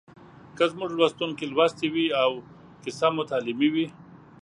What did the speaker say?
که زموږ لوستونکي لوستې وي او کیسه مو تعلیمي وي